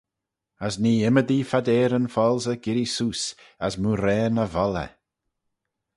As nee ymmodee phadeyryn-foalsey girree seose, as mooarane y volley.